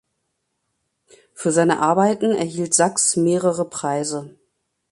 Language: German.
Für seine Arbeiten erhielt Sachs mehrere Preise.